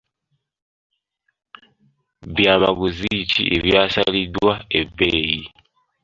Byamaguzi ki ebyasaliddwa ebbeeyi?